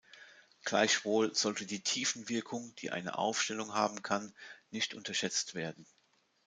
Gleichwohl sollte die Tiefenwirkung, die eine Aufstellung haben kann, nicht unterschätzt werden.